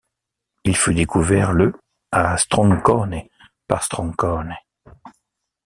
Il fut découvert le à Stroncone par Stroncone.